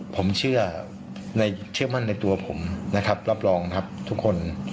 ผมเชื่อมั่นในตัวผมนะครับรับรองครับทุกคน